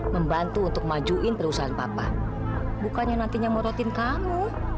membantu untuk majuin perusahaan papa bukannya nantinya morotin kamu